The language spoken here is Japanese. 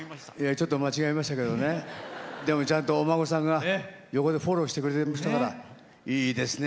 ちょっと間違えましたけどちゃんとお孫さんが横でフォローしてくれていいですね。